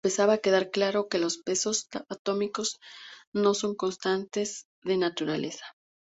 Empezaba a quedar claro que los pesos atómicos no son constantes de naturaleza.